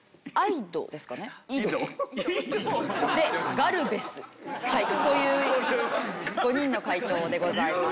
イド？で「ガルベス」という５人の解答でございます。